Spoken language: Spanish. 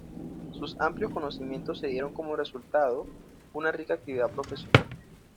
Sus amplios conocimientos dieron como resultado una rica actividad profesional.